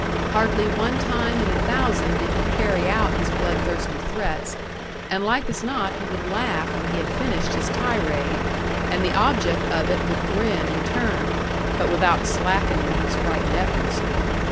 Hardly one time in a thousand did he carry out his bloodthirsty threats, and like as not he would laugh when he had finished his tirade, and the object of it would grin in turn but without slackening his frightened efforts.